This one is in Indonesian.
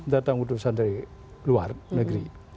datang ke desa dari luar negeri